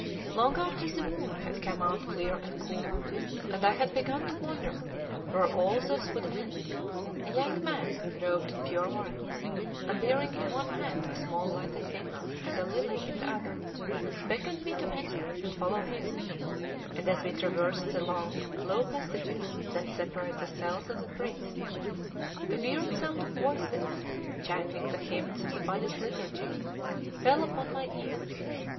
Long after the moon had come out clear and cool, and I had begun to wonder where all this would end, a young man, robed in pure white, and bearing in one hand a small lighted taper and a lily in the other, beckoned me to enter, and follow him; and as we traversed the long, low passages that separate the cells of the priests, the weird sound of voices, chanting the hymns of the Buddhist liturgy, fell upon my ear.